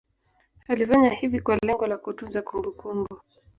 Alifanya hivi kwa lengo la kutunza kumbukumbu